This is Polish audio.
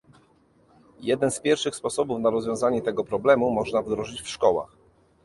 Jeden z pierwszych sposobów na rozwiązanie tego problemu można wdrożyć w szkołach